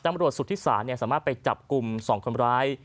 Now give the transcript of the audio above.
น้ำรวชสุทธิษฐานสามารถไปจับกลุ่ม๒คนร้าย